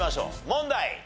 問題！